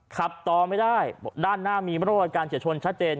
ขับต่อไม่ได้ด้านหน้ามีมันร่วมกับการเสียชนชัดเจน